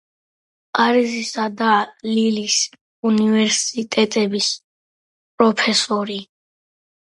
პარიზისა და ლილის უნივერსიტეტების პროფესორი.